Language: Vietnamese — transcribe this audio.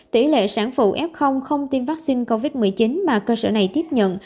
tỷ lệ sản phụ f không tiêm vaccine covid một mươi chín mà cơ sở này tiếp nhận